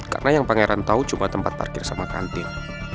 karena yang pangeran tau cuma tempat parkir sama kantin